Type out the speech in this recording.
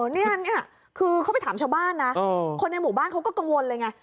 นี่คือเขาไปถามชาวบ้านนะคนในหมู่บ้านเขาก็กังวลเลยไง